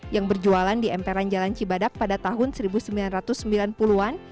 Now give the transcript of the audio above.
yang berjualan di emperan jalan cibadak pada tahun seribu sembilan ratus sembilan puluh an